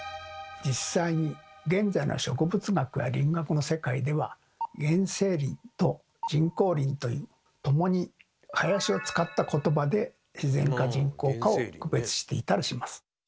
実際に現在の植物学や林学の世界では「原生林」と「人工林」という共に「林」を使ったことばで自然か人工かを区別していたりします。